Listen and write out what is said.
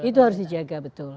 itu harus dijaga betul